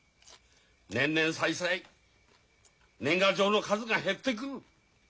年々歳々年賀状の数が減ってくる。